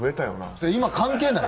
それ、今関係ない！